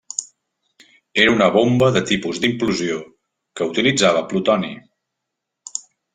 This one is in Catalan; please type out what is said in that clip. Era una bomba de tipus d'implosió que utilitzava plutoni.